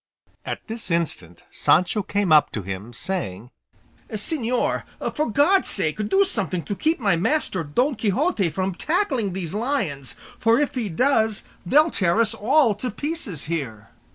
At this instant Sancho came up to him, saying, "Señor, for God's sake do something to keep my master, Don Quixote, from tackling these lions; for if he does they'll tear us all to pieces here."